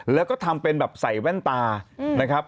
แล้วก็ทำเป็นแบบใส่แว่นตานะครับ